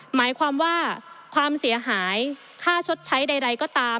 หมายความว่าความเสียหายค่าชดใช้ใดก็ตาม